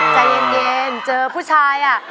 ใจเย็นเจอผู้ชายอ่ะ